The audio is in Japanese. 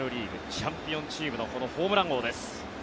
チャンピオンチームのホームラン王です。